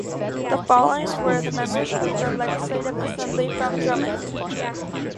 The following were the members of the Legislative Assembly from Drummond.